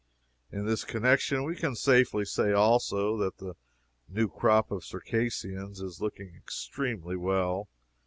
In this connection we can safely say, also, that the new crop of Circassians is looking extremely well.